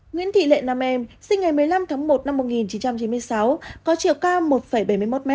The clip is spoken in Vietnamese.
nguyễn thị lệ nam em sinh ngày một mươi năm tháng một năm một nghìn chín trăm chín mươi sáu có chiều cao một bảy mươi một m